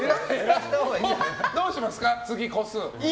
どうしますか次、個数。